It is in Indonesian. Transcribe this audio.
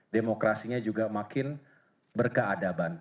demokrasinya juga makin berkeadaban